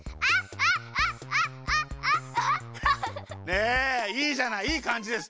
ねえいいじゃないいいかんじです。